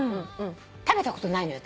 食べたことないのよ